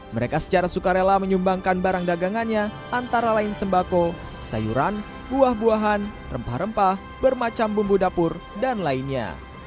mereka secara sukarela menyumbangkan barang dagangannya antara lain sembako sayuran buah buahan rempah rempah bermacam bumbu dapur dan lainnya